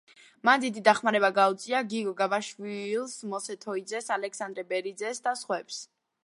მან დიდი დახმარება გაუწია გიგო გაბაშვილს, მოსე თოიძეს, ალექსანდრე ბერიძეს და სხვებს.